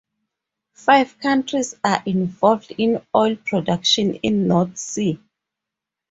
Five countries are involved in oil production in North Sea.